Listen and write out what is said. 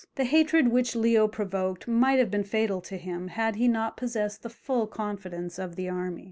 The hatred which Leo provoked might have been fatal to him had he not possessed the full confidence of the army.